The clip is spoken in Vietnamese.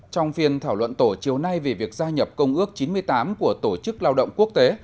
trong phiên thảo luận tổ chiều nay về việc gia nhập công ước chín mươi tám của tổ chức lao động quốc tế